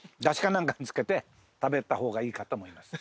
なんかに漬けて食べた方がいいかと思います。